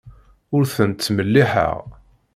Ur tent-ttmelliḥeɣ.